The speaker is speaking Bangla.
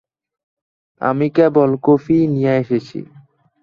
আমি কেবল কফিই নিয়ে এসেছি।